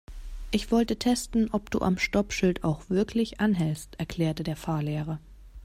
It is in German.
Ich wollte testen, ob du am Stoppschild auch wirklich anhältst, erklärte der Fahrlehrer.